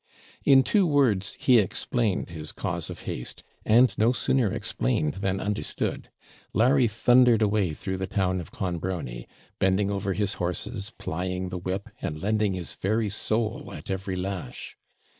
In two words, he explained his cause of haste; and no sooner explained than understood. Larry thundered away through the town of Clonbrony, bending over his horses, plying the whip, and lending his very soul at every lash.